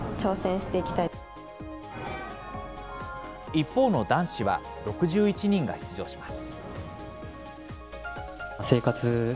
一方の男子は、６１人が出場します。